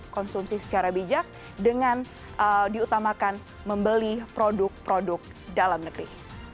konsumsi secara bijak dengan diutamakan membeli produk produk dalam negeri